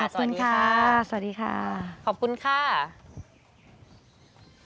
สวัสดีค่ะสวัสดีค่ะขอบคุณค่ะสวัสดีค่ะสวัสดีค่ะ